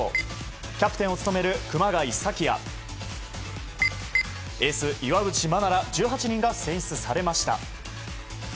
キャプテンを務める熊谷紗希やエース、岩渕真奈ら１８人が選出されました。